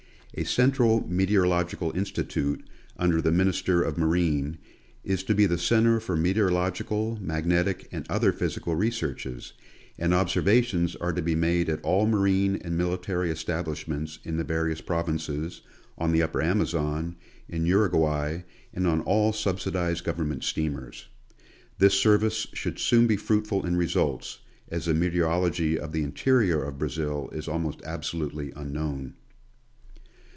A central meteorological institute, under the Minister of Marine, is to be the centre for meteorological, magnetic and other physical researches, and observations are to be made at all marine and military establishments in the various provinces, on the upper Amazon, in Uruguay, and on all subsidized govern ment steamers. This service should soon be fruitful in results, as the meteorology of the interior of Brazil is almost absolutely unknown.